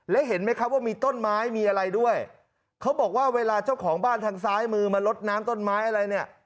และเห็นไหมครับว่ามีต้นไม้มีอะไรด้วยเขาบอกว่าเวลาเจ้าของบ้านทางซ้ายมือมาลดน้ำต้นไม้อะไรเนี่ย